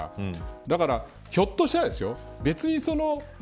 だからひょっとしたらですよ。